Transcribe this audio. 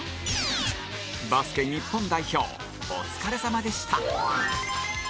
バスケ日本代表お疲れさまでした